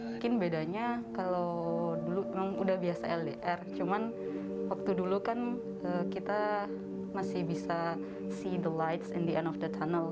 mungkin bedanya kalau dulu emang udah biasa ldr cuman waktu dulu kan kita masih bisa sea the lights and the end of the tunnel